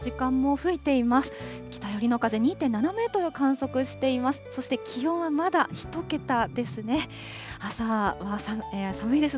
北寄りの風２．７メートルを観測しています。